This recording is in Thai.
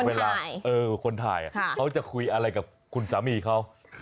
เวลาคนถ่ายเขาจะคุยอะไรกับคุณสามีเขา